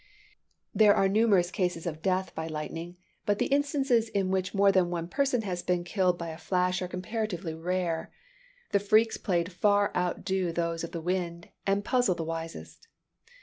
[Illustration: IDEAL SUBTERRANEAN STORM.] There are numerous cases of death by lightning; but the instances in which more than one person has been killed by a flash are comparatively rare. The freaks played far outdo those of the wind, and puzzle the wisest.